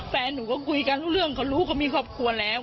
แฟนหนูก็คุยกันรู้เรื่องเขารู้เขามีครอบครัวแล้ว